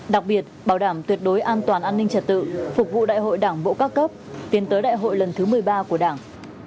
đặc biệt bảo đảm tuyệt đối an toàn an ninh trật tự phục vụ đại hội đảng bộ các cấp tiến tới đại hội lần thứ một mươi ba của đảng